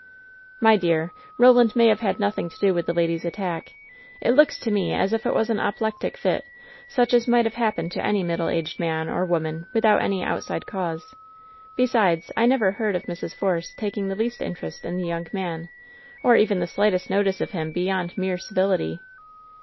"My dear, Roland may have had nothing to do with WHEN SHADOWS DEE 119 the lady's attack. It looks to me as if it was an apo plectic fit, such as might have happened to any middle a^ed man or woman without any outside cause. Be sides, I never heard of Mrs. Force taking the least in terest in the young man, or even the slightest notice of him beyond mere civility."